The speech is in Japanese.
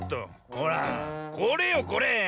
ほらこれよこれ。